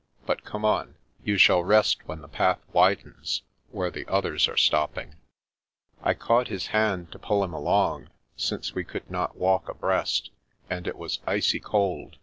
But come on. You shall rest when the path widens, where the others are stopping." I caught his hand to pull him along, since we could not walk abreast, and it was icy cold.